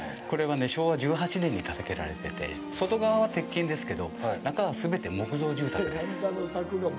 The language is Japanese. これはね、昭和１８年に建てられてて、外側は鉄筋ですけど、中は全て木造住宅です。